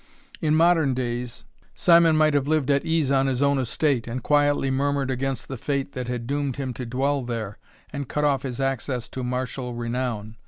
In modern days, Simon might have lived at ease on his own estate, and quietly murmured against the fate that had doomed him to dwell there, and cut off his access to martial renown.